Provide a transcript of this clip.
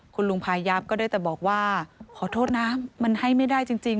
คุณลุงพายับก็ได้แต่บอกว่าขอโทษนะมันให้ไม่ได้จริง